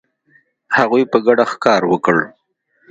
هغوی په ګډه ښکار وکړ.